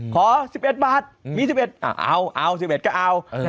ขอ๑๑บาทมี๑๑เอาเอา๑๑ก็เอา